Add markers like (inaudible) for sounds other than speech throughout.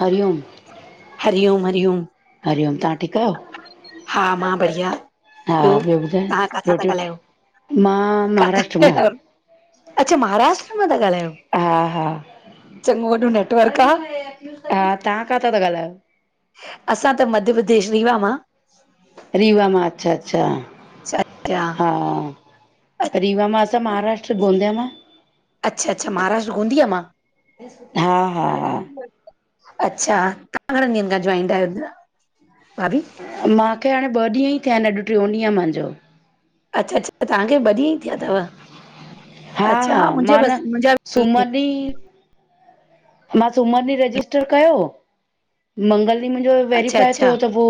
हरिओम हरिओम हरिओम -हरिओम, तव्हां ठीकु आहियो? हा मां बढ़िया। हा ॿियो ॿुधायो तहां काथां ता रोटी वोटी? ॻाल्हायो, मां काथां महाराष्ट्र मां ता अच्छा महाराष्ट्र मां ता ॻाल्हायो। हा- हा - - चंङो वॾो नेटवर्क आ। तहां, काथा ता ॻालायो? असां त मध्य प्रदेश रीवा मां। रीवा मां अच्छा- अच्छा - अच्छा - हा, रीवा मां असां महाराष्ट्र गोंदिया मां। अच्छा -अच्छा महाराष्ट्र गोदिया मां। हा हा हा अच्छा, तहां घणंन ॾींहंन खां जॉइंट आहियो भाभी। माखे हाणे ॿ ॾींहं ई थिया हिन अॼु टियोंॾींहं आ मांजो। अच्छा, अच्छा! तव्हांखे ॿ ॾींहं ई थिया तव अच्छा, मुंहिंजे बस मुंहिंजाबि (unintelligible) फ्री मां सूमर ॾींहि रजिस्टर कयो, मंगल ॾींहिं मुंजो अच्छा वेरीफाए अच्छा थियो त पो।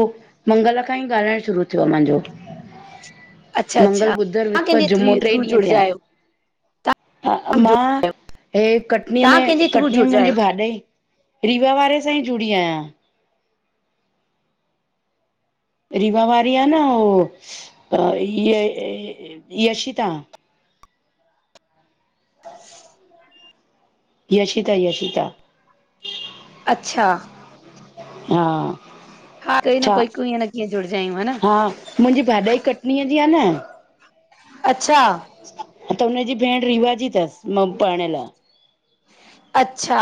मंगल खांई ॻाल्हांइण शुरू थियो आ मांजो। अच्छा मंगल, अच्छा बुद्धर, तव्हां विस्पति, कंहिंजे थ्री जुमो, ट्रे थ्रू ॾींहं थिया जुड़जा इनि। आहियो हा, तव्हां मां हे कटनीअ तव्हां में कंहिंजे थ्रू कटनीअ में जुड़जा मुंहिंजी आहियो भाॼाई रीवा वारे सांई जुड़ी आहियां। रीवा वारी आ न हो य यशिता। (inaudible) यशिता, यशिता। अच्छा। हा। हा, कई न छा कोई, कुईं न कीअं जुड़जा आहियूं ह न। हा मुंहिंजी भाॼाई, कटनीअ जी आ न अच्छा त हुनजी भेंण रीवा जी तसि मं पहिढ़ियल। अच्छा।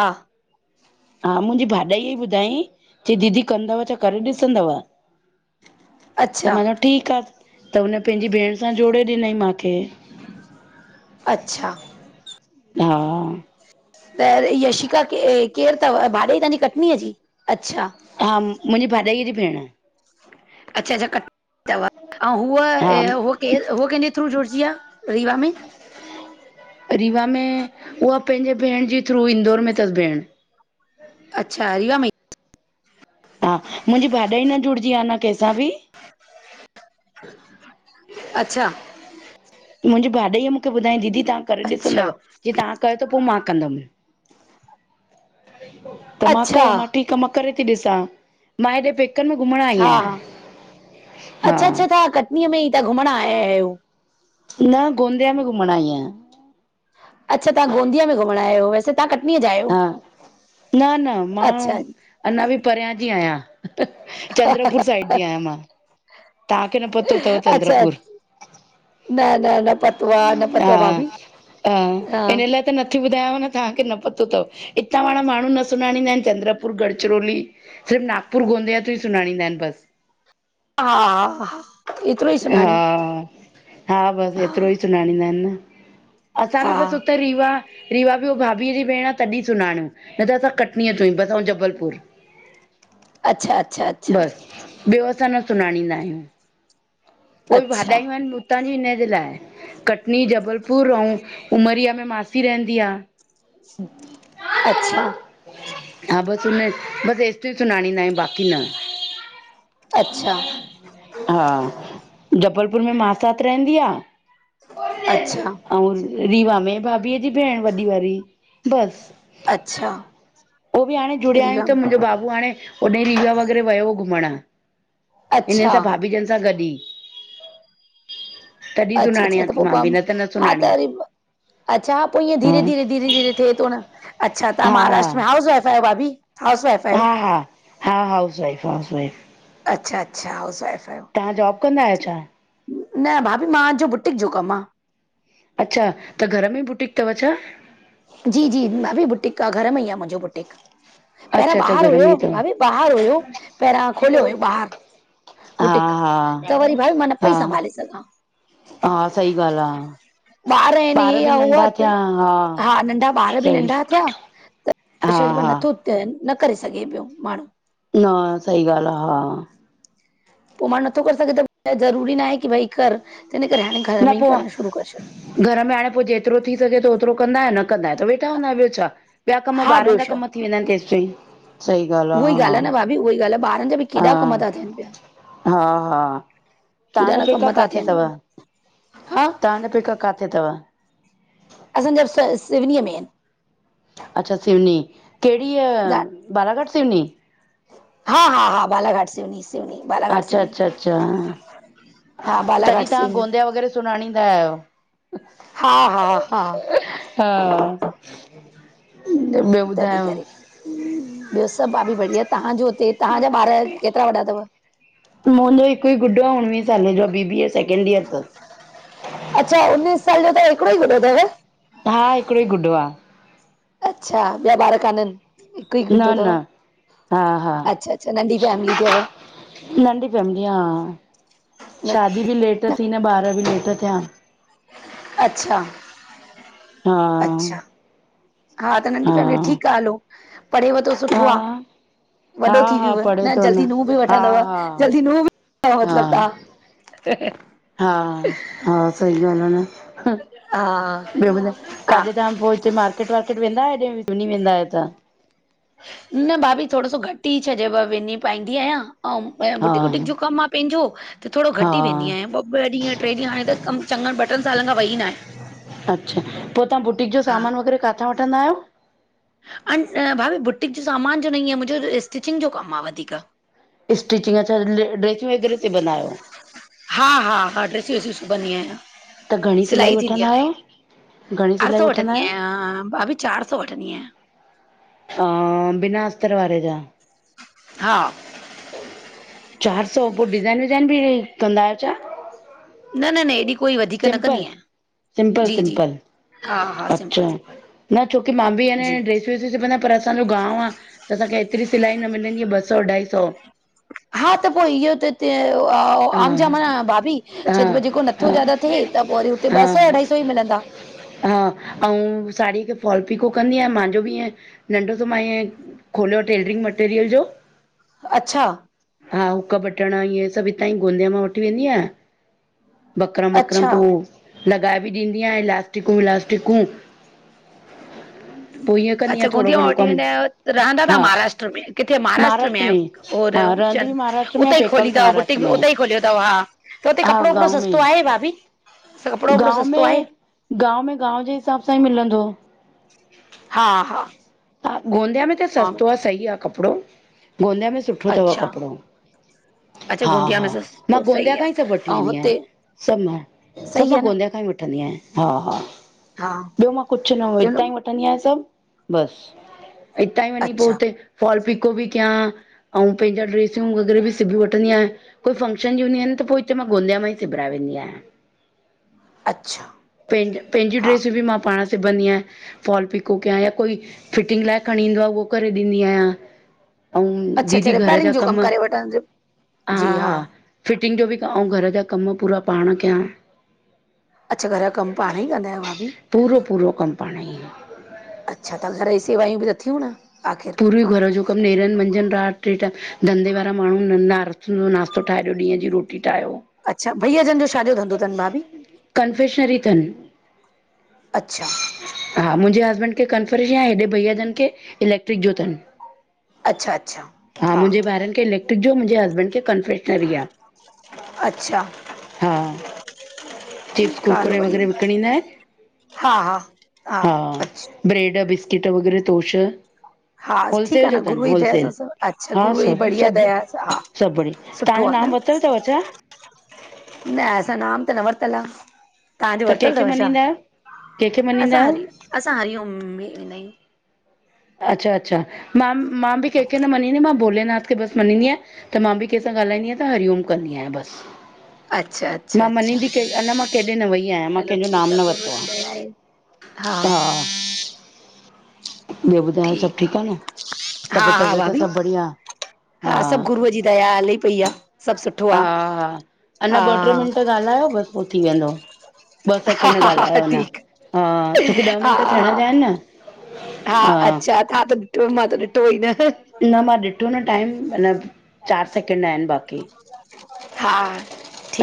हा मुंजी, भाॼाई ई ॿुधायंईं, चईं दीदी कंदव छा, करे ॾिसंदव त अच्छा म चयो ठीक आ, त हुन पंहिंजी भेण सां जोड़े ॾिनई माखे। अच्छा! हा त यशि का, केर तव भाॼाई तहांजी कटनीअ जी, अच्छा! हा! मुंजी, भाॼाईय जी भेंण। अच्छा-अच्छा, क तव ऐं हूअ हा अ हू केर हो कंहिंजे थ्रू जुड़जी आ रीवा में। रीवा में उहा पंहिंजे भेण जे थ्रू इ्ंदौर, में अथसि भेण। अच्छा रीवा में इ हा मुंहिंजी भाॼाई न जुड़िजी आ न कंहिंसां बि? अच्छा मुंहिंजी भाॼाईअ मूंखे ॿुधाइं दीदी तव्हां करे अच्छा ॾिसंदव। जे तव्हां कयो त पो मां कंदम। त मां अच्छा कयो मां ठीकु आ मां करे थी ॾिसां। मां हेॾे पेकन में घुमण आई हा आहियां हा हा अच्छा अच्छा तव्हां कटनीअ में ई तां घुमण आया आहियो। न गोंदिया, में घुमण आई आहिंया अच्छा तवंहां गोंदिया में घुमण आया आहियो वैेसे ता कटनीअ जा आहियो? हा न, न मां अच्छा अञा बि परियां जी आहियां। चंद्रपुर साइड जी आहियां मां। तव्हांखे न पतो अथव अच्छा चंद्रपुर, न न न पतो आहे न पतो हा, आहे भाभी हा हिन लाई त न नथी ॿुधायांव न तव्हांखे न पतो अथव हितां वाणा माण्हू न सुञाणींदा आहिन। चंद्रपुर गढ़चिरोली। सिफ़ नागपुर, गोंदया, तोई सुञाणींदा आहिन बस। हा, हा, हा एतिरो ई हा, सुञाणियूं हा बसि हा एतिरो ई सुञाणींदा आहिन न असां बि हा बस हुते रीवा रीवा बि हो भाभीअ जी भेण आ तॾहिं सुञाणियो न त असां कटनीअ तोंईं बस अंऊँ जबलपुर (inaudible) अच्छा, अच्छा, अच्छा ॿियो असां न सुञाणींदा आहियूं। ओई अच्छा भाॼाईयूं आहिन उतां जी हिनजे लाइ, कटनी, जबलपुर, अंऊँ उमरिया में मासी रहंदी आ। अच्छा (unintelligible) हा बसि हुन, बस एस ताईं सुनाणींदा आयूं, बाक़ी न। अच्छा हा, जबलपुर में मासात रहंदी आ। अच्छा अंउं रीवा में भाभीअ जी भेण वॾी वारी, बसि। अच्छा उहो बि हाणे जुड़िया आयूं त रीवाम मुंहिंजो बाबू हाणे होॾै रीवा वग़ैरह वयो हो घुमणु हिननि अच्छा सां भाभीजनि सां गॾु ई। तॾहिं अच्छा, अच्छा सुञाणियां त थी पो मां बि पं न त न हा त सुञाणी वरि अच्छा हा पो ईअं धीरे-धीरे, धीरे-धीरे थे तो न। अच्छा, तां महाराष्ट्र में हाउस वाइफ आयो भाभी? हाउस वाइफ आहियो हा-हा, हा हाउस-वाइफ, हाउस-वाइफ अच्छा-अच्छा हाउस वाइफ आहियो। तां जॉब कंदा आहियो छा? न भाभी मां जो बुटीक जो कमु आ। अच्छा, त घर में ई बुटीक तव छा? जी-जी, भाभी बुटीक आ, घर में ई आ मुंहिंजो बुटीक। पैरां अच्छा अच्छा ॿाहरि घर हुयो, में ई अथव भाभी ॿाहरि हुयो पैरयां खोलियो हुयो ॿाहरि। हा बुटीक, त वरी भाई मां न हा पई हा संभाले सघां। हा, सही ॻाल्हि आ, आहिनि ॿार हे बि आहे हो आहे नंढा त थिया, हा। हा, नंढा ॿार बि सही नंढा थिया त हा शरीर मां हा नथो त, न करे सघे पियो माणू। न सही ॻाल् आ, हा पो मांणूं नथो करे सघे त ज़रूरी नाइ की भई कर, त इन करे हाणें घर न में ई पो करण शुरु करे छॾो। घर में हाणे पो जेतिरो थी सॻे तो ओतिरो कंदाइन न कंदाऐ त वेठा हूंदा, ॿियो छा? ॿिया कमु, हा ॿारनि ॿियो जा कमु थी वेंदा आहिनि, तेसताईं। उहो ई ॻाल्हि आ न भाभी, उहो ई ॻाल्हि आ, ॿा रन जा बि हा केॾा कम ता थीयनि पिया, हा हा हा केॾा तव्हांजा न पेका कम ता थीयनि पिया। (unintelligible) तांजा पेका काथे तव? असांजा सिवनीअ में आहिनि। अच्छा सिवनी, केड़ी आहिनि ईअ बालाघाट सिवनी? हा-हा-हा, बालाघाट सिवनी-सिवनी अच्छा-अच्छा-अच्छा, हा बालाघाट तॾहिं तहा सिवनी गोंदिया वग़ैरह सुञाणींदा आयो। हा-हा-हा हा ॿियो तॾीं ॿुधायो? करें, ॿियो सभु भाभी बढ़िया, तहांजो हुते, तहांजा ॿार केतिरा वॾा तव? मुंहिंजो हिकु ई गुॾो आ उणवीयें सालें जो आ। B, B, A second year तस। अच्छा, उन्नीस साल जो त हिकिड़ो ई गुॾो तव? हा, हिकिड़ो ई गुॾो आ। अच्छा! ॿिया ॿार काननि? हिकु ई न गुड्डो न तव? हा हा अच्छा-अच्छा नंढी फैमिली थ्यव। नंढी फैमिली आं शादी बि लेट थी न, ॿार बि लेट थिया। अच्छा, हा अच्छा, हा त नंढी फैमिली ठीकु आ, हलो। पढ़ेव तो? हा हा-हा पढ़े तो न, जल्दी नूंहं बि वठंदव हा-हा, जल्दी नूंहं बि हा मतिलब तव्हां हा-हा सई ॻाल्हि आ न। हा ॿियो ॿुधाए, हा काॾे तां पो हुते मार्केट-वार्केट वेंदायो (unintelligible) वेंदायो त? न भाभी थोड़ो सो घटि ई छॾयव विनी पाईंदी आहियां अउं मां यो बुटिक तव्हां वुटिक जो कमु आ पंहिंजो। त थोड़ो हा घट ई वेंदी हा आहियां, ॿ- ॿ ॾींहं, ट्रे ॾींहं हाणे त कम चङनि ॿ ट्रनि सालनि खां वई नायां। अ (inaudible) अच्छा, पो तां बुटीक जो सामानु किथां वठंदा आहियो? भाभी बुटीक जो सामान जो न ईंयं मुंहिंजो स्टिचिंग जो कमु आ वधीक। स्टिचिंग अच्छा ड्रेसूं वग़ैरह सिबंदा आहियो? हा- हा -हा, ड्रेसियूं -वेसियूं सुबंदी आहियां। त घणी सिलाई थींदी वठंदा आ। आयो? चार सौ वठंदी आयां, भाभी चार सौ वठंदी आं। हा, बिना अस्तर वारे जा? हा। चारि सौ पो डिज़ाइन विज़ाइन बि ही कंदा आहियो छा? न न न एॾी कोई वधीक न कंदी सिंपल आहियां। सिंपल जी जी सिंपल, हा हा अच्छा सिंपल सिंपल न छोकी मां बि अ न जी ड्रेसू सुबदा आ पर असजो गांव आ, त असांखे एतिरी सिलाई न मिलंदी ॿ सौ अढाई सौ। हा त पो इहो त हिते, हा आम-जाम आ न भाभी। हा छॾब ॼेको नथो ज्यादा थिए त पो वरी हुते ॿ सौ हा अढाई सौ ई मिलंदा। हा, अऊं साड़ी खे फॉल पिको कंदी आहियां मांजो बि इएं, नंढो सो मां ईअं खोलियो टेलरिंग मटैरियल जो, अच्छा हा हुक बटण इये सभु हिताई गोंदिया मां वठी वेंदी आहियां, बकरम-वकरम अच्छा पो लॻाए बि ॾींदी आहियां इलास्टिकूं वलास्टिकूं। ईअं कंदी अच्छा आहियां थोरो गोदिया मां घणो वठी कमु वेंदा आहियो, रहंदा ता हा महाराष्ट्र में किथे महाराष्ट्र में आयो। और हा रहंदी बि चवनि महाराष्ट्र में उते ई पेका खोली बि तव महाराष्ट्र बूटिक में उते ई खोलियो तव हा, त हुते हा कपिड़ो-वपिड़ो गांव सस्तो में आहे भाभी? त कपड़ो-वपड़ो गांव सस्तो आहे? में गांव में गांव जे हिसाब सां ई मिलंदो। हा हा हा गोंदिया में त सस्तो आ सही आ कपिड़ो, गोंदिया में सुठो तव अच्छा कपिड़ो। अच्छा हा गोंदिया में हा मां सस्तो गोंदिया सही आ खां ई सभु वठी ऐं वेंदी आहियां। हुते सभु मां, सभु सही मां आ न गोंदिया खां ई वठंदी आहियां हा हा। हा ॿियो मां कुझु न हु चलो हितां ई वठंदी आहियां सभु, बसि। हितां ई वञी पो अच्छा हुते, फॉल पिको बि कयां। अऊं पंहिंजा ड्रेसियूं वग़ैरह बि सिबी वठंदी आहियां। कोई फंक्शन जी हूंदी आहिनि त पो हिते मां गोंदिया मां ई सिबराए वेंदी आहियां। अच्छा पैंज, पैंजी हा ड्रेसूं बि मां पाण सिबंदी आय, फॉल पिको कया या कोई फिटिंग लाए खणी ईंदो आ उवो करे ॾींदी आहियां। अऊं अच्छा अच्छा दीदी घर जा रिपेयरिंग जो कमु, करे वठंदो हा हा फिटिंग जो बि क, अऊं घर जा कमु पूरा पाण कयां। अच्छा घरु जो कमु पाण ई कंदा आहियो भाभी? पूरो पूरो कमु पाणेई। अच्छा त घर जी सेवायूं बि त थीयूं न, आखिर पूरो ई घर जो कमु नेरनि मंझंदि राति टे टाइम धंधे वारा माण्हू न त नाश्तो ठाये ॾींह जी रोटी टी टायो अच्छा भइया जन जो छाजो धंधो तनि भाभी? कन्फेशनरी अथनि अच्छा हा मुंहिंजे हसबैंड खे कंफर्श जी आहे, हेॾे भईयाजनि खे इलेक्ट्रिक जो तनि। अच्छा अच्छा हा मुंहिंजे ॿारनि खे इलेक्ट्रिक जो, मुंहिंजे हस्बैंड खे कंफेशनरी आ। अच्छा चिप्स ठीकु आ हलो कुरकुरे वरी, वग़ैरह विकिणींदा आहिनि हा हा हा अच्छा। ब्रेड, बिस्किट वगैरह तोश हा ठीकु होलसेल आ जो न तनि गुरूअ जी दया सां होलसेल, सभु अच्छा हा गुरूअ जी सभु बढ़िया सभु दया सां हा सभु बढिया। सुठो तव्हांजो आ न, नाम वतलु तव छा? न असां नाम त न वरितलु आ। तव्हांजो त वरितलु कंहिंखे तव छा? मञींदा आहियो? कंहिंखे मञींदा असां आहियो? हरि असां हरिओम में वेंदा आहियूं। अच्छा अच्छा मां मां बि केहिंखे न मञींदी मां भोले नाथ खे बस मञीयां। त मां बि कंहिं सां ॻाल्हाईंदी आहियां त हरिओम कंदीयां बस। अच्छा अच्छा मां मनी अच्छा जी के अञा मां केॾे न वई आहियां मां हलो कंहिंजो ठीकु नाम न गुरूअ वरितो आ। जी दया आहे, हा ॿियो ॿुधायो सब ठीक आ न हा तबियत हा तबियत भाभी सब बढ़िया आ। हा सभु गुरूअ जी दया हले पई आ, सभु सुठो हा आ, हा अञा हा ॿ टे मिंट ॻाल्हायो बस पोइ थी वेंदो ॿ हा सैकेंड हा हा हा ॻाल्हायो अञा ठीकु हा छोक्री ॾह हा मिंट थियण जा आहिन न। हा अच्छा तवां त ॾिठो मां त ॾिठो ई न। न मां ॾिठो न टाइम अना चारि सैकेंड आहिन बाक़ी। हा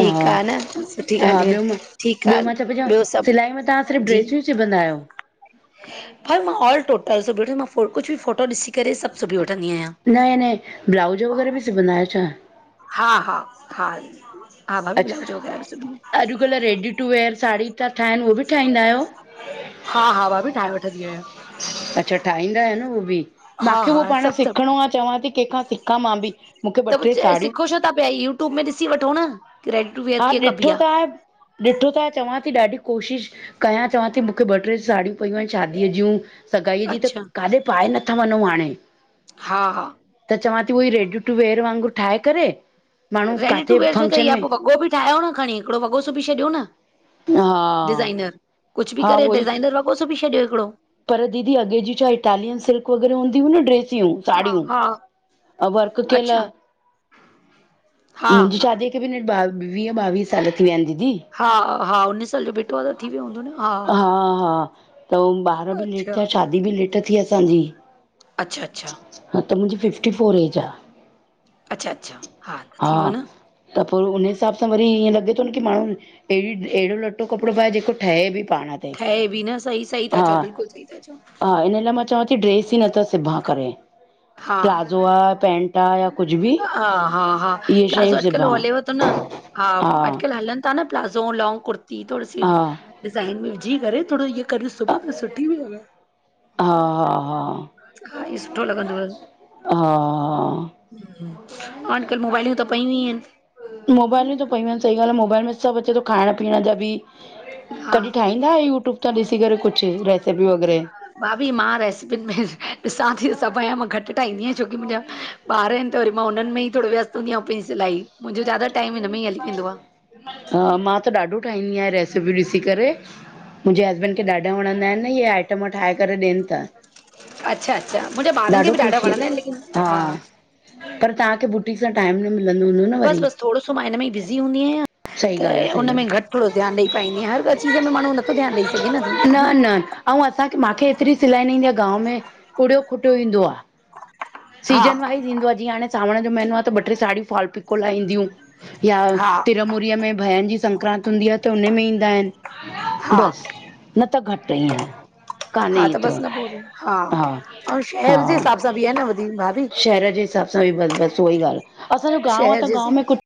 हा आ न सुठी हा ॻाल्हि, ॿियो मां ठीकु आ ॿियो मां छाइ पई चां ॿियो सिलाई सभु में तव्हां सिर्फ़ जी ड्रेसियूं? कुछ सूबंदायो? भाई मां ऑल टोटल सिबी वठ मांो कुझु बि फोटो ॾिसी करे सभु सूबी वठंदी आहियां। न न ब्लाउज वग़ैरह बि सिबंदयो छा? हा हा हा हा भाभी ब्लाउज अच्छा वग़ैरह बि सूबी अॼुकल्ह रेडी टू वेर साड़ी था ठाहिनि उहो बि ठाहींदा आहियो? हा हा भाभी ठाहे वठंदी आहियां। अच्छा ठाहींदा आहि न उहो बि हा मूंखे उहो हा पाण सभु सभु सिखणो आ चवां थी कंहिंखां सिख। क मां बि। मूंखे ॿ त टे कुछ साड़ियूं सिखो छो ता पिया यूट्यूब में ॾिसी वठो न केड। हा ॾिठो त आहे। ॾिठो त चवां थी ॾाढी कोशिशि कयां चवां थी मूंखे ॿ टे साड़ियूं पयूं आहिन शादीअ जूं। सगाईअ जी त अच्छा काॾै पाए नथा वञूं हाणे हा हा त चवां थी उहई रेडू टू वेअर वांगुरु ठाहे करे माण्हू रेडी टू काथे वेअर छो अथई फंक्शन या में वॻो बि ठाहियो न खणी हिकिड़ो वॻो सिबी छॾियो न हा कुछ बि हा करे उहोई डिज़ाइनर वॻो सूबी छॾियो हिकिड़ो पर दीदी अॻे जी चा इटालियन सिल्क वगैरह हूंदी हु न ड्रेस ियूं हा साड़ियूं हा वर्क कल अच्छा हा मुंहिंजी शादीअ खे बि वीह ॿावीह साल थी विया आहिन दीदी हा हा उन साल जो भीठो आ त थी वियो हूंदो न हा हा हा त ॿार बि लेट अच्छा थिया शादी बि लेट थी असांजी अचछा अचछा। हा त मुंहिंजी फिफ्टी फोर एज आ। अच्छा अच्छा हा थी वियो न त पोइ उन हिसाब सां वरी ईअं लॻे थो न की माण्हू अहिड़ी अहिड़ो लटो कपिड़ो पाए जेको ठहे बि पाण। ते ठहे बि न सही सही ता चओ बिल्कुल सही ता चओ हिन म (unintelligible) मां चवां थी ड्रेस ई नथा सिभा करे हा प्लाज़ो आहे पेंंट आहे या कुछ बि। हा हा हा इहे शयूं प्लाज़ो सिबां अॼुकल्ह हलेव थो न हा अॼुकल्ह हलनि तां न प्लाज़ो लॉनंग कुर्ती थोरी सी हा डिज़ाइन में विझी करे थोरो इहो कभी हा सुबह हा हा (unintelligible) हा ई सुठो लॻंदो हा अॼकल्ह मोबाइलूं त पयूं ई आहिन। मोबाइलूं त पयूं एन सही ॻाल्ह आ, मोबाइल में सभ अचे तो, खाइण पीअण जा बि हा कॾी ठाईंदा, यू, ट्यूब ता ॾिसी करे कुछ रेसिपी वग़ैरह? भाभी मां रेसिपिन में ॾिसां ती, सभ आयां, मां घट ठाईंदी आयां, छो कि मुंजा ॿार एन त वरी मां उनन में ई थोड़ो व्यस्त हूंदी आयां, औं, पैंजी सिलाई, मुंजो ज्यादा टाइम हिन में ई हली वेंदो आ। मां त ॾाढो ठाईंदीआं, रेसिप्यूं ॾिसी करे, मुंजे हस्बैंड खे ॾाढा वणंदा एन। न, इहे आइटम ठाहे करे ॾेन त। अच्छा अच्छा, मुंजे ॿारन खे ॾाढो बि ॾाढा ख़ुशी वणंदा एन, लेकिन, हा पर तहांखे, बुटीक सां टाइम न मिलंदो हूंदो न वरी? छो, मां हिन में ई बिज़ी हूंदी आयां। सही त ॻाल्हि आ, सही उनमें ॻाल्हि घट थोड़ो ध्यान ॾेई पाईंदी आयां, हर कोई चीज़ में माण्हूं नथो ध्यान ॾई सघे न आ, दीदी। न अऊं असांखे, मांखे एतरी सिलाई न ईंदी आ, गांव में उड़यो खुट्यो ईंदो आ। हा सीज़न वाइज़ ईंदो आ, जीअं हाणे सांवंण जो महीनो आ, त ॿ ट्रे साड़यूं फॉल पिको लाइ ईंदयूं। या हा तिरमूरीअ में भयन जी संक्रांत हूंदी आ त, उनी में ईंदा एन। हा बस, न त घट ईंअं। हा त बस न पो, हा, अऊं हर हा, शहर जे हिसाब सां बि आ न वधीक भाभी शहर जे हिसाब सां बस बस उहई ॻाल्ह, असांजो गांव आ शहर त जे गांव में कुछ